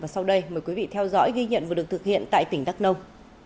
sau đây mời quý vị theo dõi ghi nhận vừa được thực hiện tại tỉnh đắk nông